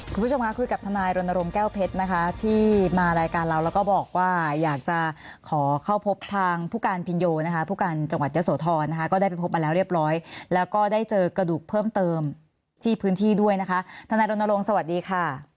คุณผู้ชมค่ะคุยกับทนายรณรงค์แก้วเพชรนะคะที่มารายการเราแล้วก็บอกว่าอยากจะขอเข้าพบทางผู้การพินโยนะคะผู้การจังหวัดยะโสธรนะคะก็ได้ไปพบมาแล้วเรียบร้อยแล้วก็ได้เจอกระดูกเพิ่มเติมที่พื้นที่ด้วยนะคะทนายรณรงค์สวัสดีค่ะ